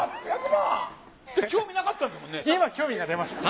興味なかったんですもんね？